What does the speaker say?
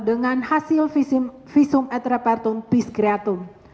dengan hasil visum et repertum piskreatum